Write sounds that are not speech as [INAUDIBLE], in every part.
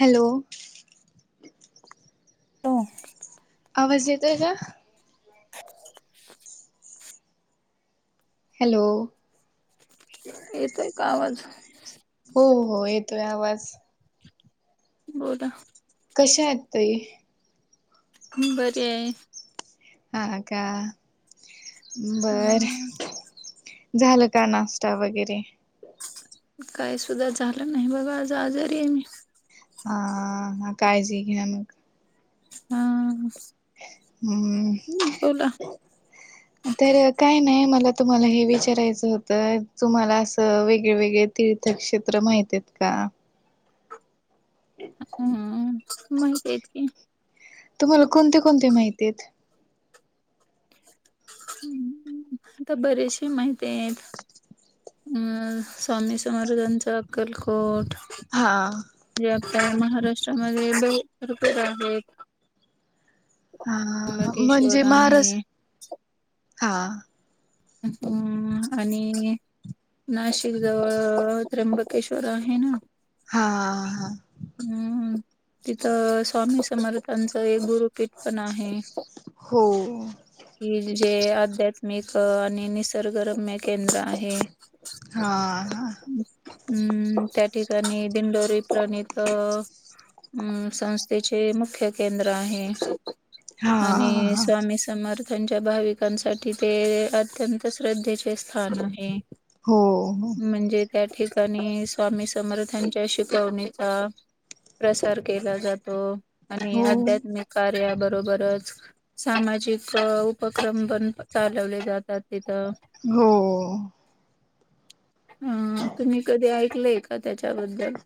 Hello हो मज येत का [UNINTELLIGIBLE] हॅलो! येतोय का आवाज, हो हो येतोय आवाज, बोलला, कशा आहे त ताई, बर आहे. हा का बरं, हा झालं का नाश्ता वगैरे, काय सुद्धा झालं नाही, बघा आज आजारी आहे मी, हा हा काळजी घे ना मग, हा हम्म बोला तर काय नाही. मला तुम्हाला हे विचारायचं होतं तुम्हाला असं वेगळे वेगळे तीर्थक्षेत्र महित, का, हम्म माहिेत की, तुम्हाला कोणते कोणते माहिती आहेत? ह् आता बरेचसे माहिती आहेत. अं स्वामी सम्राजांचा अक्कलकोट, हा आता महाराष्ट्रामध्ये भरपूर आहेत, हा त्र्यंबकेश्वर म्हणजे आहे महाराष्ट हा, अ आणि, नाशिक जवळ त्र्यंबकेश्वर आहे ना, हा हा हम्म तिथं स्वामी समारथांच एक गुरु, किट पण आहे हो ह, जे आध्यात्मिक आणि निसर्गरम्य केंद्र आहे. हा हा हम्म त्या ठिकाणी दिंडोरी प्रणित, अ संस्थेचे मुख्य केंद्र आहे. हा आणि हा स्वामी समर्थ, त्यांच्या भाविकांसाठी ते अत्यंत श्रद्धेचे स्थान आहे. हो म्हणजे त्या ठिकाणी स्वामी समर्थांच्या शिकवणी, प्रसार केला जातो आणि हो आध्यात्मिक कार्याब, बरोबरच सामाजिक उपक्रम पण चालवले जात. हो. ह तुम्ही कधी ऐकलय का त्याच्याबद्दल,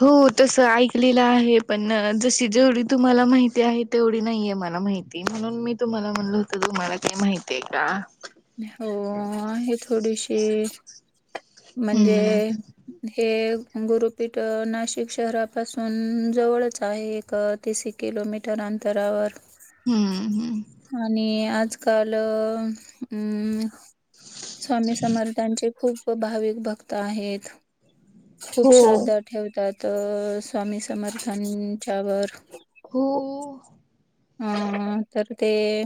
हो तस ऐकलेलं आहे. पण जशी, जेवढी तुम्हाला माहिती आहे, तेवढी नाहीये मला माहिती म्हणून, मी तुम्हाला म्हणलं होतं तुम्हाला काही माहिती आहे. [INAUDIBLE] हो आहे थोडीशी, म्हणजे हम्म हे, गुरुपीठ नाशिक शहरापासून जवळच आहे, एक तिस किलोमीटर, अंतरावर, हम्म हम् आणि आजकाल अम्, स्वामी समर्थांचे खूप भाविक भक्त आहेत. खूप हो श्रद्धा ठेवतात. स्वामी समर्थांच्या व, हो, हम तर ते,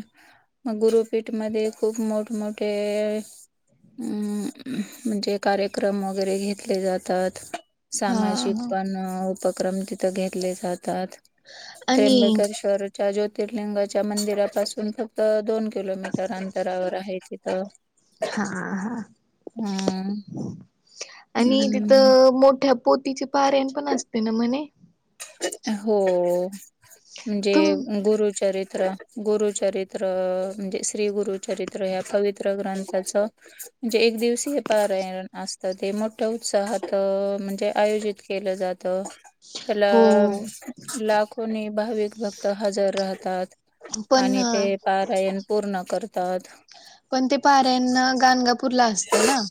मग गुरुपीठ मध्ये खूप मोठमोठे, अम् म्हणजे कार्यक्रम वगैरे घेतले जातात. हा सामाजिक हा पण उपक्रम तिथं घेतले जा तात. आणि त्र्यंबकेश्वर च्या ज्योतिर्लिंगाच्या मंदिरापासून फक्त दोन किलोमीटर अंतरावर आहे तिथं. हा हा हम्म. आणि हम्म तिथं मोठ्या पोतीचे पारयण पण असते ना म्हणे. हो म्हणजे तुम गुरुचरित ्र गुरुचरित्र म्हणजे श्री गुरुचरित्र ह्या पवित्र ग्रंथाच जे एक दिवसीय पारायण असतं, ते मोठ्या उत्साहात म्हणजे आयोजित केलं जात. त्याला हो लाखोनी भाविक भक्त हजर राहतात. पण आणि ते पारायण पूर्ण करतात. पण ते पारायण ना गणगापूरला असतं ना.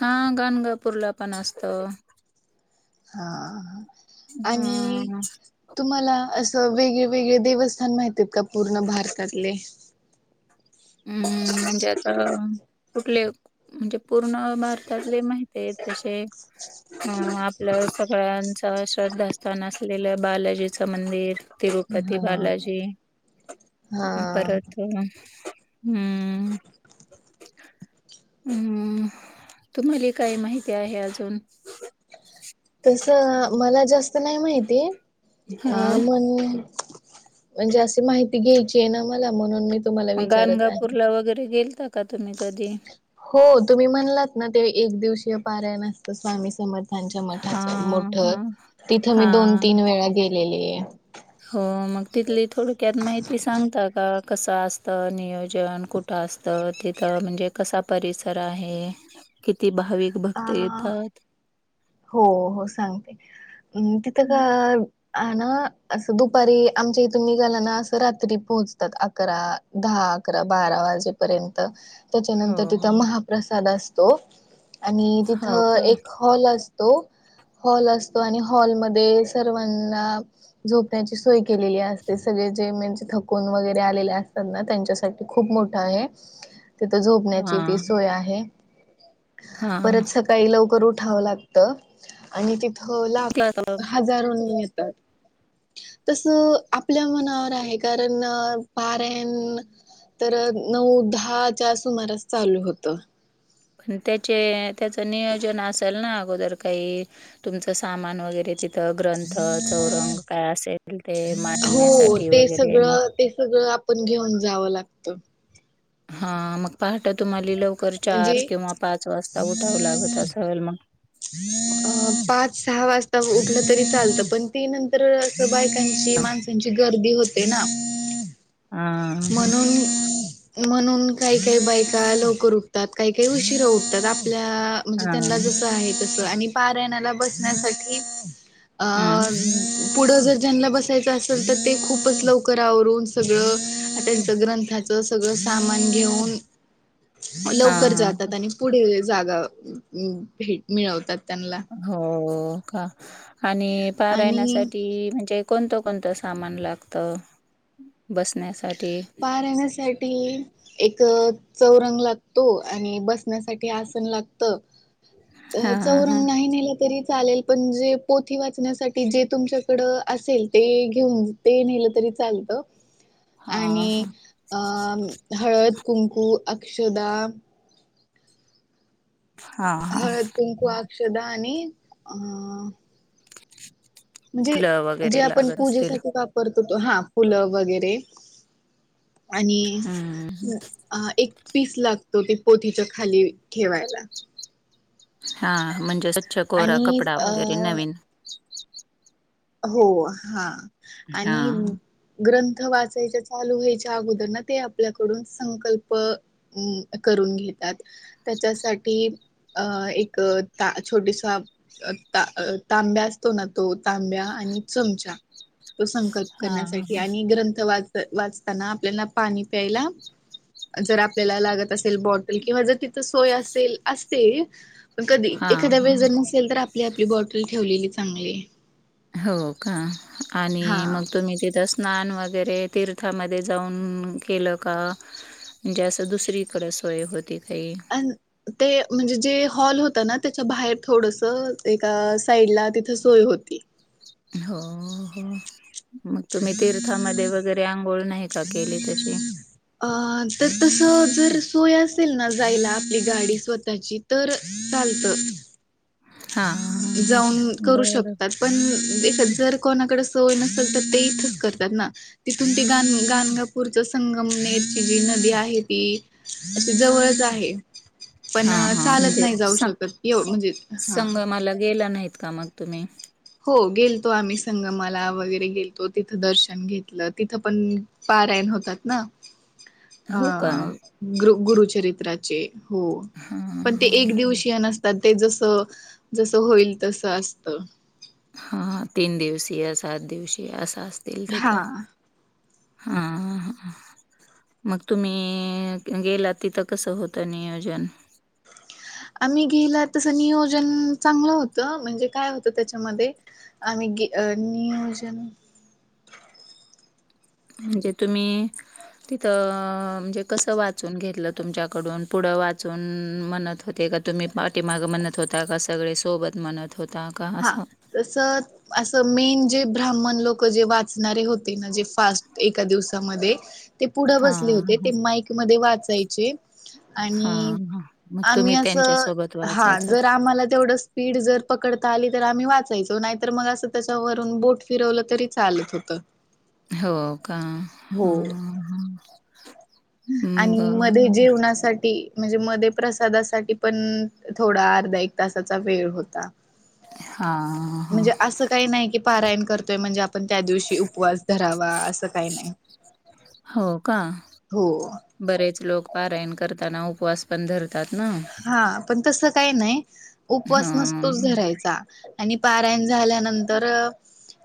हा गाणगापूर ला पण असतो. हा आणि हं, तुम्हाला असं वेगळे वेगळे देवस्थान माहिती आहेत का पूर्ण भारतातले. अम् म्हणजे आता कुठले म्हणजे पूर्ण भारतातले माहित आहे. तसे अं आपलं सगळ्यांच श्रद्धास्थान असलेलं बालाजीचं मंदिर. तिरुपती हा बालाजी हा. परत, हम्म. हम्म तुम्हाला काय माहिती आहे अजून? तसं मला जास्त नाही माहिती, अ हा मण म्हणजे अशी माहिती घ्यायची आहे ना मला म्हणून मी तुम्हाला विचारत आहे. गणगापूरला वगैरे गेलता का तुम्ही कधी? हो तुम्ही म्हणलात ना ते एक दिवशीय पारायन असतं स्वामी समर्थ त्यांच्या हा मठाच मोठ हा तिथं मी हा दोन तीन वेळा गेलेले. हो मग तिथली थोडक्यात माहिती सांगता का कसं असतं, नियोजन कुठ? त, तिथ म्हणजे कसा परिसर आहे? भाविक अ भक्त येतात? हो हो सांगते. तिथं का हा ना असं दुपारी आमच्या इथून निघाला ना असं रात्री पोहोचतात अकरा दहा अकरा बारा वाजेपर्यंत. हो त्याच्यानंतर तिथं महाप्रसाद असतो. आणि हो तिथं का? एक हॉल अस हॉल असतो आणि हॉल मध्ये सर्वांना झोण्याची सोय केलेले असते. सगळे जे म्हणजे थकून वगैरे आलेले असतात ना त्यांच्यासाठी खूप मोठा आहे. तिथ झोपण्याची हा ती सोय आहे. हा परत सकाळी लवकर उ ठाव लागत आणि तिथ लाख हजारो नी येतात. तस आपल्या मनावर आहे, कारण पारायण तर नऊ दहाच्या सुमारास चालू होत. पण त्याचे त्याच नियोजन असेल ना अगोदर काही तुमचं सामान वगैरे ति थ ग्रंथ, चौरंग काय असेल ते हो मांडण्यासाठी ते वगैरे सगळं मग ते सगळं आपण घेऊन जावं लागत. हा मग पहाट तुम्हाला लवकर म्हणजे चार किंवा पाच वाजता उठाव लागत असल म्हग. [INAUDIBLE] पाच सहा वाजता उठलं तरी चालतं पण तीन नंतर अस बायकांची माणसांची गरदी होते ना. हा म्हणून म्हणून काही काही बायका लवकर उठतात, काही काही उशीरा उठतात. आपल्या म्हणजे हा त्यांना जस आहे तस. आणि पारायणाला बसण्यासाठी आ हम्म पुढं जर ज्यांना बसायचं असेल तर ते खूपच लवकर आवरून सगळं त्यांचं ग्रंथाचं सगळं सामान घेऊन लवकर हा जातात आणि पुढे जागा भे मिळवतात त्यांना हो का आणि आणि पारायण्यासाठी म्हणजे कोणत कोणत सामान लागत बसण्यासाठी पार राहण्यासाठी एक चौरंग लागतो आणि बसण्यासाठी आसन लागत हा हा हा चौरंग नाही नेलं तरी चालेल पणजे पोथी वाचण्यासाठी जे तुमच्याकड असेल ते घेऊन ते नेलं तरी ांलत हा आणि हळद कुंकू अक्षदा हा हा औषदा आणि अ म्हणजे फुलं जे वगैरे आपण लागत असतील पूजेसाठी वापरतो त हा फुलं वगैरे आणि हम्म एक पीस लागतो ते पोथीच्या खाली ठेवायला हा म्हणजे स्वच्छ कोरा आणि कपडा वगैरे अ नवीन हो हा आणि हां. ग्रंथ वाचायच चालू व्हायच च्या अगोदरना ते आपल्याकडून संकल्प करून घेतात त्याच्यासाठी अ एक ता छोटीसा ता तांब्या असतो ना तो तांब्या आणि चमचा तो संकल्प हां. करण्यासाठी आणि ग्रंथ वाच वाचताना आपल्याला पाणी प्यायला जर आपल्याला लागत असेल बॉटल किंवा जर तिथं सोय असेल असते कधी हां, एखाद्या वेळ जर हां. नसेल तर आपली आपली बॉटल ठेवलेली चांगले हो का आणि मग तुम्ही तिथं स्नान वगैरे तीर्थामध्ये जाऊन केलं का म्हणजे असं दुसरीकडें सोय होती काही अन ते म्हणजे जे हॉल होत ना त्याच्या बाहेर थोडस एका साईडला तिथ सोय होती हो हो मग तुम्ही तीर्थामध्ये वगैरे आंघोळ नाहीत अ तर तस त जर सोय असेल ना जायला आपली गाडी स्वतःची तर चालत हां, हां, हां. जाऊन करू बरं. शकतात पण जर कोणाकडे सवय नसेल तर ते इथंच करतात ना तिथून ते ग गानगापूरच संगमनेरची जी नदी आहे ती अशी जवळच आहे पण हां, हां. चालत म्हणजे नाही जाऊ सं शकत यो म्हणजे हा. संगमाला गेला नाहीत का मग तुम्ही हो गेलतो आम्ही संगमाला वगैरे गेलतो तिथं दर्शन घेतलं तिथं पण पारायण होतात ना अ हो का? ग्रु गुरुचरित्राचे हो हां, हां, पण ते एक हां. दिवशीय नसतात ते जस जस होईल तसं असत हा तीन दिवसीय सात दिवशीय असं असतील हा तिथं हा हा मग तुम्ही गेला तिथं कसं होतं नियोजन आम्ही घेला तस नियोजन चांगलं होतं म्हणजे काय होतं त्याच्यामध्ये आमी गे नियोजन म्हणजे तुम्ही तिथं म्हणजे कसं वाचून घेतलं तुमच्याकडून पुढं वाचून म्हणत होते का तुम्ही पाठीमाघ म्हणत होता का सगळे सोबत म्हणत होता का हा असं? तस अस मेन जे ब्राह्मण लोक जे वाचणारे होते ना जे फास्ट एका दिवसामध्ये ते पुढं बसले हां, होते ते माईक मध्ये वाचायचे आणि हां, हां. मग आम्ही तुम्ही अस त्यांच्यासोबत हा वाचायचात. जर आम्हाला तेवढ स्पीड जर पकडता आली तर आम्ही वाचायचो नाहीतर मग असं त्याच्यावरून बोट फिरवलं तरी चालत होत हो का हम हम आणि मध्ये जेवणासाठी म्हणजे मध्ये प्रसादासाठी पण थोडा अर्धा एक तासाचा वेळ होता हां, हां. म्हणजे असं काही नाही कि पारायण करत म्हणजे आपण त्या दिवशी उपवास धरावा असं काही नाही हो का हो बरेच लोक पारायण करताना उपवास पण धर हा पण तस काही नाही उपवास हां. नसतोच धरायचा आणि पारायण झाल्यानंतर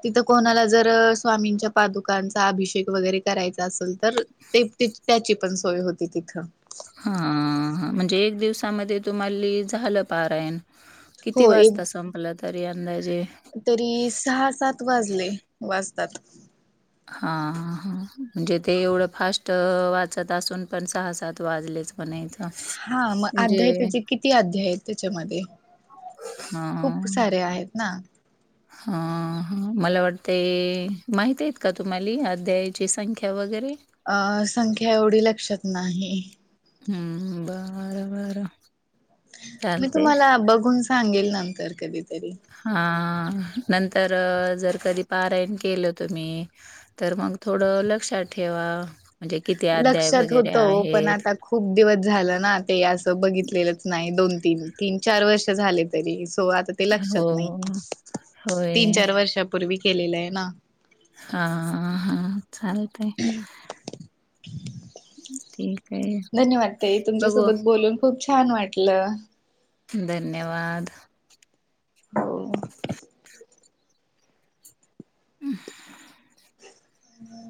तिथं कोणाला जर स्वामींच्या पादुकांचा अभिषेक वगैरे करायचा असल तर ते त्याची पण सोय होती तिथं हा हा म्हणजे एक दिवसामध्ये तुम्हाले झालं पारायण ह [INAUDIBLE] हो किती एक वाजता संपलं तरी अंदाजे? तरी सहा सात वाजले वाज तात हा ह म्हणजे ते एवढं फास्ट वाचत असून पण सहा सात वाजले च मणायच हा मग अध्याय त्याचे किती अध्याय त्याच्यामध्ये खूप सारे आहेत ना हा हा मला वाटतय माहती एत का तुम्हाले अध्यायाची संख्या वगैरे अ संख्या एवढी लक्षात नाही हम् हम बर बरं मी चालतंय. तुम्हाला बघून सांगेल नंतर कधी हा नंतर जर कधी पारायण केलं तुम्ही तर मग थोडं लक्षात ठेव म्हणजे किती अ लक्षात होत पण आता खूप दिवस झालं ना ते असं बघितलेलंच नाही दोन तीन चार वर्ष झाले तरी होो आता ते हो, लक्षात नाही होय. तीन चार वर्षापूर्वी केलेलं आहे ना हा हा चालतय धन्यवाद तई बघू. तुमच्यासोबत बोलून खूप छान छान वाटलं धन्यवाद हो हम ब